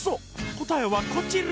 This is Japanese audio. こたえはこちら。